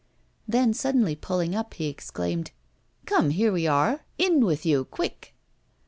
Then suddenly pulling up he exclaimed: 'Come, here we are! In with you, quick!